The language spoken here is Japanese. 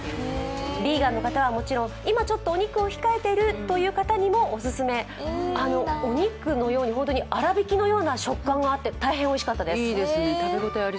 ビーガンの方はもちろん今、ちょっとお肉を控えているという方にもオススメお肉のような粗挽きの食感があって大変おいしかったです。